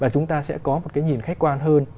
thì sẽ có một cái nhìn khách quan hơn